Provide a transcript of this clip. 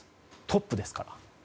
トップですから。